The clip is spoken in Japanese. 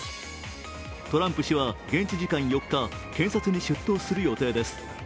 トランプ氏は現地時間４日、検察に出頭する予定です。